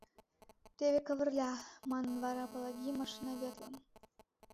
— Теве, Кавырля! — манын вара Палаги машиноведлан.